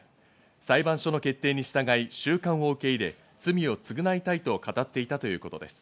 裁判所の決定に従い収監を受け入れ、罪を償いたいと語っていたということです。